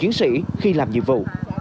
và cán bộ chiến sĩ khi làm nhiệm vụ